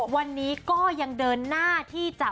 วันนี้ก็ยังเดินหน้าที่จะ